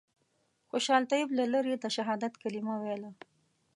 خوشحال طیب له لرې د شهادت کلمه ویله.